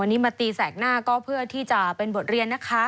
วันนี้มาตีแสกหน้าก็เพื่อที่จะเป็นบทเรียนนะคะ